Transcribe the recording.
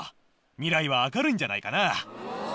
未来は明るいんじゃないかな。